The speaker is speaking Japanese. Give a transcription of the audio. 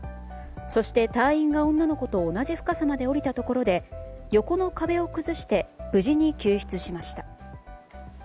そして隊員が女の子と同じ深さまで下りたところで、横の壁を崩して無事に救出しました。